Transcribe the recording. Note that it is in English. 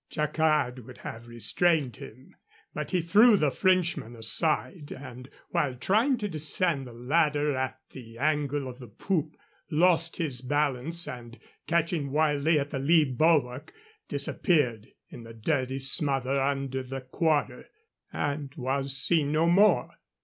Jacquard would have restrained him, but he threw the Frenchman aside, and, while trying to descend the ladder at the angle of the poop, lost his balance, and, catching wildly at the lee bulwark, disappeared in the dirty smother under the quarter and was seen no more.